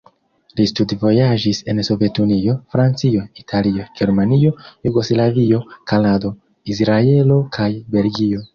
Li studvojaĝis en Sovetunio, Francio, Italio, Germanio, Jugoslavio, Kanado, Izraelo kaj Belgio.